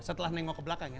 setelah nengok ke belakang ya